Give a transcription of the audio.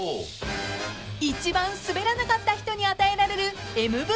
［一番スベらなかった人に与えられるＭＶＳ］